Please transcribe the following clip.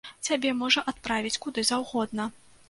Цябе можа адправіць куды заўгодна.